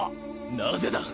なぜだ！